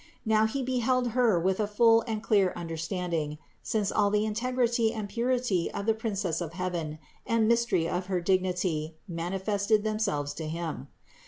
Now he beheld Her with a full and clear understanding, since all the integrity and purity of the Princess of heaven and mystery of her dignity manifested themselves to him.